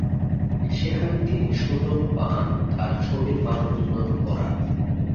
সেখানে তিনি সুযোগ পান তার ছবির মান উন্নয়ন করার।